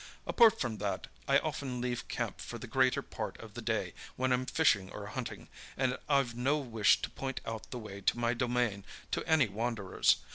Apart from that, I often leave camp for the greater part of the day when I'm fishing or hunting, and I've no wish to point out the way to my domain to any wanderers.